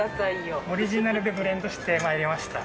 オリジナルでブレンドしてまいりました。